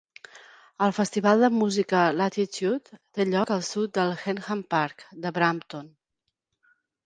El festival de música Latitude té lloc al sud del Henham Park de Brampton.